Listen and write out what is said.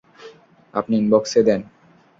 আপনি ইনবক্সে দেন।